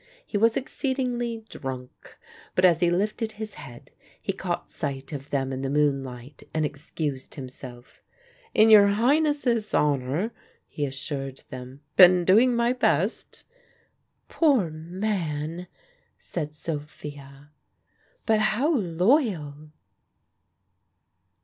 He was exceedingly drunk; but as he lifted his head he caught sight of them in the moonlight and excused himself. "In your Highnesses' honour," he assured them: "'been doing my best." "Poor man!" said Sophia. "But how loyal!"